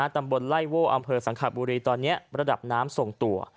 ตำบลไล่โว่อำเภอสังขบุรีตอนนี้ระดับน้ำส่งตัว